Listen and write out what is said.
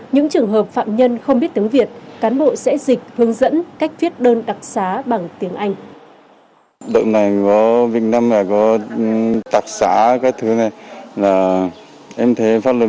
những trường hợp phạm nhân không biết tiếng việt cán bộ sẽ dịch hướng dẫn cách viết đơn đặc xá bằng tiếng anh